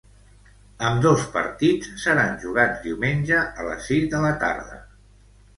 Ambdós partits seran jugats diumenge a les sis de la tarda.